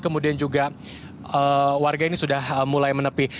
kemudian juga warga ini sudah mulai menepi